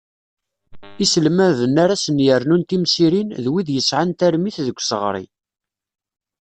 Iselmaden ara sen-yernun timsirin, d wid yesεan tarmit deg useɣṛi.